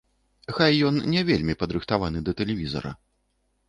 Хай ён не вельмі падрыхтаваны да тэлевізара.